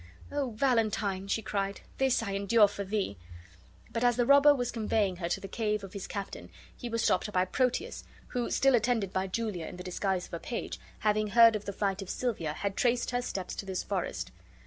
"O Valentine," she cried, "this I endure for thee!" But as the robber was conveying her to the cave of his captain he was stopped by Proteus, who, still attended by Julia in the disguise of a page, having heard of the flight of Silvia, had traced her steps to this forest.